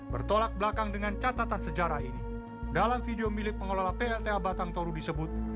bertolak belakang dengan catatan sejarah ini dalam video milik pengelola plta batang toru disebut